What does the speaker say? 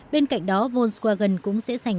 bên cạnh đó volkswagen cũng sẽ giành